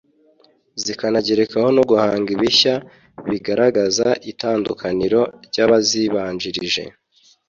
zikanagerekaho no guhanga ibishya bigaragaza itandukaniro ry’abazibanjirije